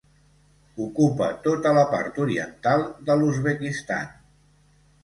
Ocupa tota la part oriental de l'Uzbekistan.